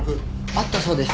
あったそうです。